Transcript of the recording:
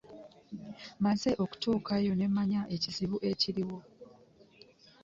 Mmaze kutuukayo ne mmanya ekizibu ekiriwo.